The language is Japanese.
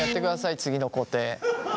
次の工程。